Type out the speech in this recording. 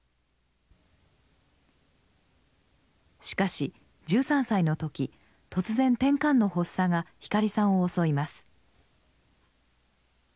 しかし１３歳の時突然てんかんの発作が光さんを襲います。